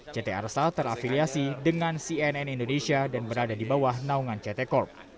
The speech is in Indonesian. ct arsa terafiliasi dengan cnn indonesia dan berada di bawah naungan ct corp